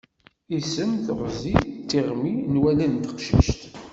Isem, teɣzi d tiɣmi n wallen n teqcict.